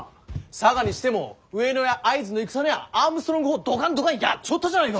佐賀にしても上野や会津の戦にゃアームストロング砲をどかんどかんやっちょったじゃないか。